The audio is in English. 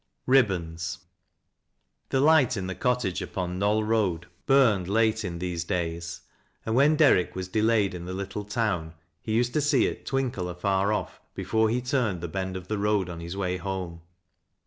EIBBONS. The light in the cottage upon the Knoll Head burned late in these days, and when Derrick was delayed in the little town, he used to see it twinkle afar off, before he turned the bend of the road on his way home.